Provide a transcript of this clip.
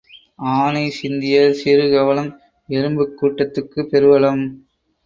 ஆனை சிந்திய சிறு கவளம் எறும்புக் கூட்டத்துக்குப் பெருவளம்.